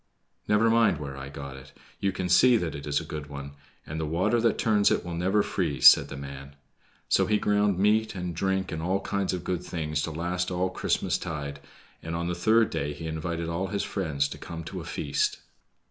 "Never mind where I got it. You can see that it is a good one, and the water that turns it will never freeze," said the man. So he ground meat and drink and all kinds of good things to last all Christmastide, and on the third day he invited all his friends to come to a feast.